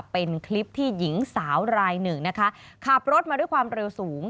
เป็นคลิปที่หญิงสาวราย๑ขับรถมาด้วยความเร็วสูง